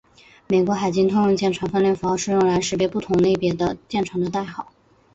美国海军通用舰船分类符号是用来识别不同类别的舰船的代号。